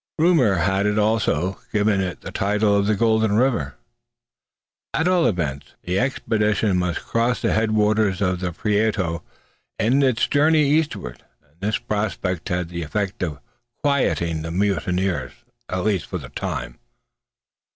Rumour had also given it the title of a "golden river"; at all events, the expedition must cross the head waters of the Prieto in its journey eastward; and this prospect had the effect of quieting the mutineers, at least for the time.